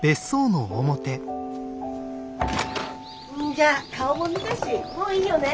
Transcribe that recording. じゃあ顔も見たしもういいよね？